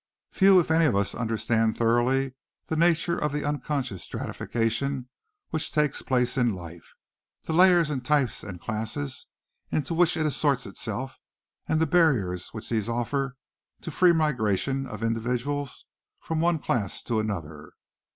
Few, if any of us, understand thoroughly the nature of the unconscious stratification which takes place in life, the layers and types and classes into which it assorts itself and the barriers which these offer to a free migration of individuals from one class to another.